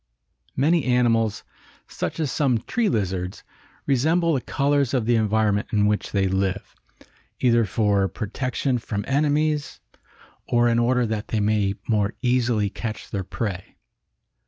Many animals, such as some tree lizards, resemble the colors of the environment in which they live, either for protection from enemies or in order that they may more easily catch their prey.